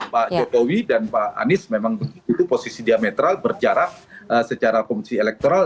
pak jokowi dan pak anies memang begitu posisi diametral berjarak secara fungsi elektoral